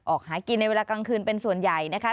หากินในเวลากลางคืนเป็นส่วนใหญ่นะคะ